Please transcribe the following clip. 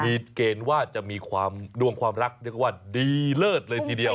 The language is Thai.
มีเกณฑ์ว่าจะมีดวงความรักว่าเดียวก็ดีเลิศเลยทีเดียว